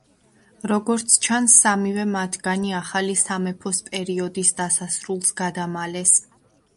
როგორც ჩანს, სამივე მათგანი ახალი სამეფოს პერიოდის დასასრულს გადამალეს.